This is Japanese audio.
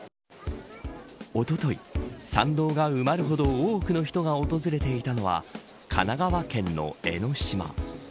おととい参道が埋まるほど多くの人が訪れていたのは神奈川県の江の島。